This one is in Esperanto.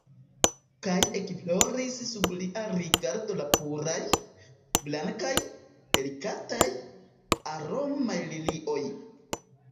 Kaj ekfloris sub lia rigardo la puraj, blankaj, delikataj, aromaj lilioj.